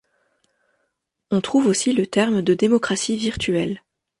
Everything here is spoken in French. On trouve aussi le terme de démocratie virtuelle.